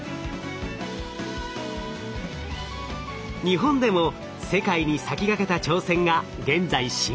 日本でも世界に先駆けた挑戦が現在進行中。